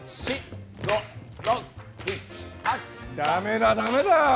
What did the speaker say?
ダメだダメだ。